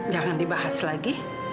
jangan dibahas lagi